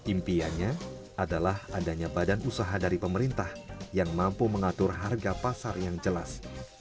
impiannya adalah adanya badan usaha dari pemerintah yang mampu mengatur harga pasar yang jelas